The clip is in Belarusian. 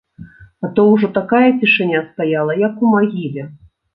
А то ўжо такая цішыня стаяла, як у магіле.